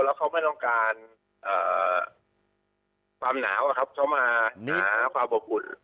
แล้วเขาไม่ต้องการความหนาวเข้ามาหาความอบอุ่น